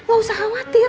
gak usah khawatir